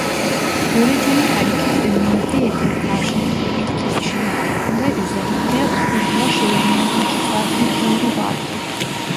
Göreceli hareket ve madde-eter karşılıklı etkileşimi hakkında üzerinde uzlaşılamayan iki farklı teori vardı.